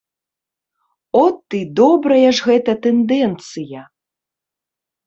От, і добрая ж гэта тэндэнцыя!